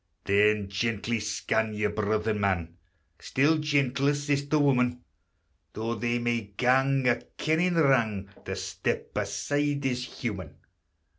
Then gently scan your brother man, Still gentler sister woman; Though they may gang a kennin' wrang, To step aside is human.